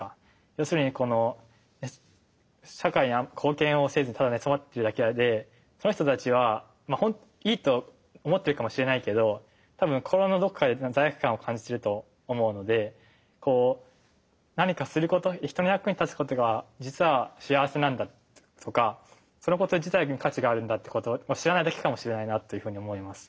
要するにこの社会に貢献をせずただ寝そべってるだけでその人たちはいいと思ってるかもしれないけど多分心のどこかで罪悪感を感じてると思うので何かすること人の役に立つことが実は幸せなんだとかそのこと自体に価値があるんだっていうこと知らないだけかもしれないなっていうふうに思います。